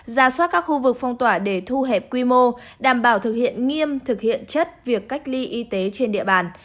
ra soát các khu vực phong tỏa để thu hẹp quy mô đảm bảo thực hiện nghiêm thực hiện chất việc cách ly y tế trên địa bàn